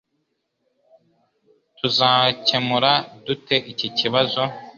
Tuzakemura dute iki kibazo